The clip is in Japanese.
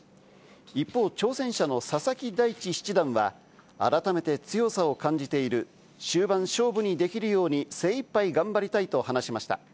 一方、挑戦者の佐々木大地七段は、改めて強さを感じている、終盤勝負にできるように精いっぱい頑張りたいと話しました。